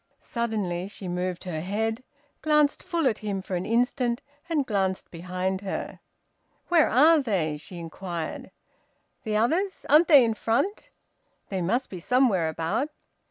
Suddenly she moved her head, glanced full at him for an instant, and glanced behind her. "Where are they?" she inquired. "The others? Aren't they in front? They must be some where about."